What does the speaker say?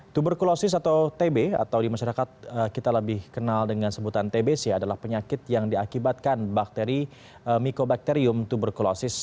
tuberkulosis atau tb atau di masyarakat kita lebih kenal dengan sebutan tbc adalah penyakit yang diakibatkan bakteri mycobacterium tuberkulosis